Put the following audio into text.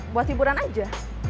buat hiburan aja